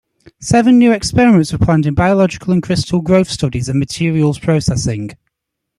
Seven new experiments were planned in biological and crystal growth studies and materials processing.